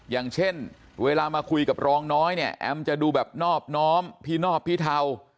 อย่างเช่นเวลามาคุยกับรองน้อยเนี่ยแอมจะดูแบบนอบน้อมพี่นอบพี่เทา